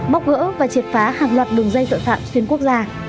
bóc gỡ và triệt phá hàng loạt đường dây tội phạm xuyên quốc gia